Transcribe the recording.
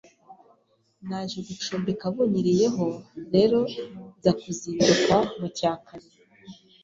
Naje gucumbika bunyiriyeho rero nza kuzinduka mu cya kare